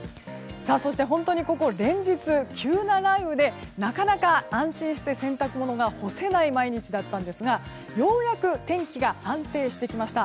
そして本当に連日、急な雷雨でなかなか安心して洗濯物が干せない毎日だったんですがようやく天気が安定してきました。